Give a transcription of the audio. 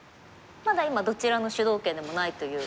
まだ今どちらの主導権でもないという。